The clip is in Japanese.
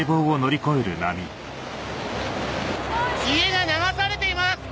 家が流されています！